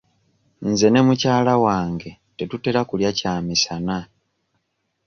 Nze ne mukyala wange tetutera kulya kyamisana.